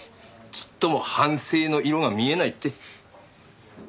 ちっとも反省の色が見えないって。